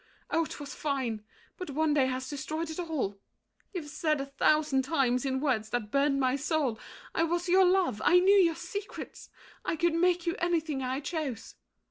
Oh, 'twas fine! But one day has destroyed it all. You've said A thousand times, in words that burned my soul, I was your love, I knew your secrets, I Could make you anything I chose.